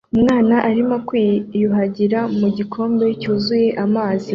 Umwana arimo kwiyuhagira mu gikombe cyuzuye amazi